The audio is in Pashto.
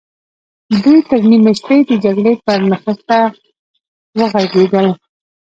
دوی تر نيمې شپې د جګړې پر نخشه وغږېدل.